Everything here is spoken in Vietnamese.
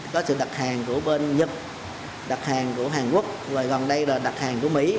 có sự đặt hàng của bên đặt hàng của hàn quốc và gần đây là đặt hàng của mỹ